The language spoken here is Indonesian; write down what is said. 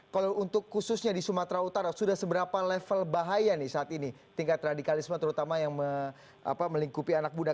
kalau untuk khususnya di sumatera utara sudah seberapa level bahaya nih saat ini tingkat radikalisme terutama yang melingkupi anak muda